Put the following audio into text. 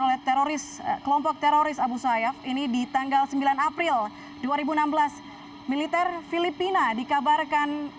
oleh teroris kelompok teroris abu sayyaf ini di tanggal sembilan april dua ribu enam belas militer filipina dikabarkan